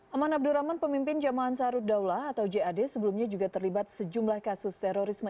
aman abdurrahman pemimpin jemaah ansarud daulah atau jad sebelumnya juga terlibat sejumlah kasus terorisme